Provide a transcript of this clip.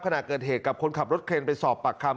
ขณะเกิดเหตุกับคนขับรถเครนไปสอบปากคำ